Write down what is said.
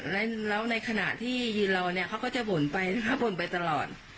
แล้วในขณะที่ยืนรอเนี่ยเขาก็จะบ่นไปบ่นไปตลอด